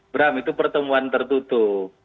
beram itu pertemuan tertutup